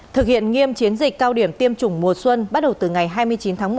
thực hiện nghiêm chiến dịch cao điểm tiêm chủng mùa xuân bắt đầu từ ngày hai mươi chín tháng một